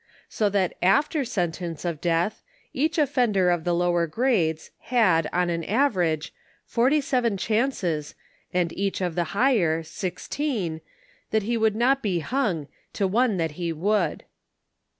So that after sentence of death, each offender of the lower grades, had, on an average, 47 chances, and each of the higher , six teen, that he would not be hung, to one that he would.